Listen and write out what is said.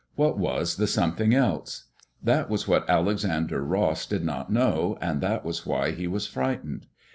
What was the something else" ? That was what Alexander Ross did not know, and that was why he was frightened.